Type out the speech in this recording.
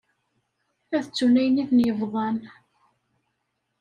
Ad ttun ayen i ten-yebḍan.